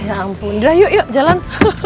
ya ampun udah yuk jalan